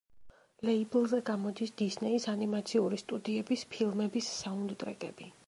ლეიბლზე გამოდის დისნეის ანიმაციური სტუდიების ფილმების საუნდტრეკები.